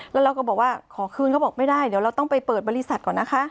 แล้วเราก็บอกว่าขอคืนเขาบอกไม่ได้เดี๋ยวเราต้องไปเปิดบริษัทก่อนนะคะ